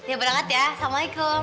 apakah kamu happy sekarang